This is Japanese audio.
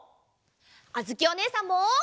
あづきおねえさんも。